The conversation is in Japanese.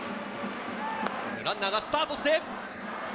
ランナーがスタートして。